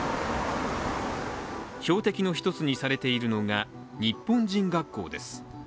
標的の１つにされているのが、日本人学校です。